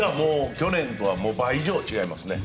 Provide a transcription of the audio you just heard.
去年とは倍以上違いますね。